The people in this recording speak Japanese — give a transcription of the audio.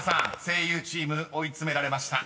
声優チーム追い詰められました］